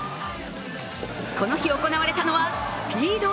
この日行われたのはスピード。